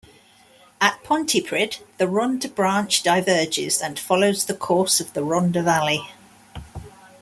At Pontypridd the Rhondda branch diverges and follows the course of the Rhondda Valley.